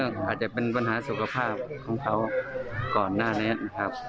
๑๙๑๘นอาจจะเป็นปัญหาสุขภาพของเขาก่อนหน้านั้น